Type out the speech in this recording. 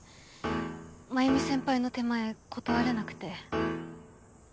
繭美先輩の手前断れなくて。